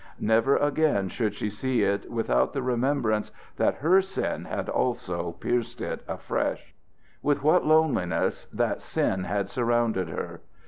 Never again should she see it without the remembrance that her sin also had pierced it afresh. With what loneliness that sin had surrounded her!